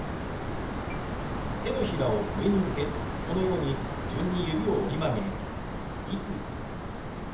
手のひらを上に向けこのように順に指を折り曲げ「いくつ」。